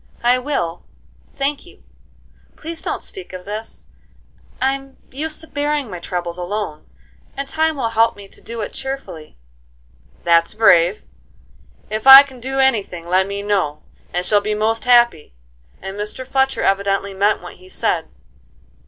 "I will, thank you. Please don't speak of this; I'm used to bearing my troubles alone, and time will help me to do it cheerfully." "That's brave! If I can do any thing, let me know; I shall be most happy." And Mr. Fletcher evidently meant what he said.